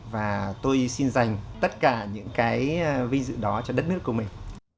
và tôi xin dành tất cả những cái vinh dự đó cho đất nước của mình